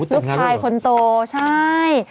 ลูกชายคนโตใช่